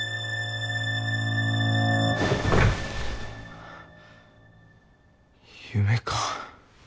はぁ夢か。